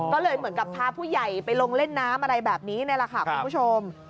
ก็เลยเหมือนกับพาผู้ใหญ่ไปลงเล่นน้ำอะไรแบบนี้นี่แหละค่ะคุณผู้ชม